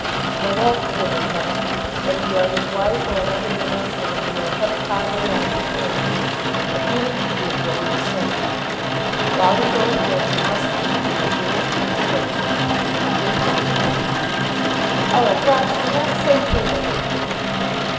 And I won't forgive him, Hetta. Whether you are his wife, or another man's, or whether you are Hetta Carbury on to the end, my feeling to you will be the same. While we both live, you must be to me the dearest creature living. My hatred to him " "Oh, Roger, do not say hatred."